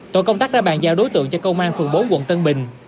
tổ công tác đã bàn giao đối tượng cho công an phường bốn quận tân bình